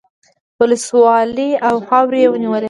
ولسوالۍ او خاورې یې ونیولې.